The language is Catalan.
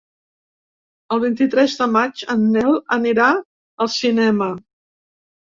El vint-i-tres de maig en Nel anirà al cinema.